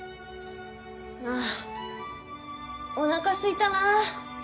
ああおなかすいたな。